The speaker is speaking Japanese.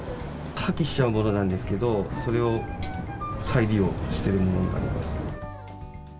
破棄しちゃうものなんですけど、それを再利用しているものになります。